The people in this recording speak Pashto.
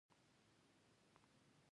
لویه بلا کې ټوله دنیا مبتلا وه په پښتو ژبه.